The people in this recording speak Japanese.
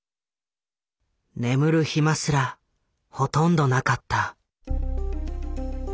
眠る暇すらほとんどなかった。